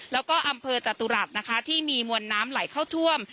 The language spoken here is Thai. แล้วก็อำเภอจตุรัสนะคะที่มีมวลน้ำไหลเข้าท่วม